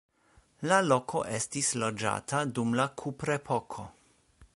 La loko estis loĝata dum la kuprepoko.